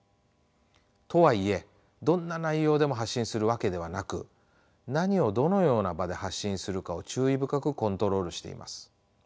とはいえどんな内容でも発信するわけではなく何をどのような場で発信するかを注意深くコントロールしています。